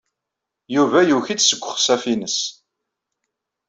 Yuba yuki-d seg uxsaf-nnes.